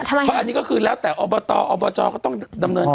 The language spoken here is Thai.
เพราะอันนี้ก็คือแล้วแต่อบตอบจก็ต้องดำเนิน